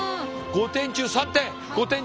５点中３点。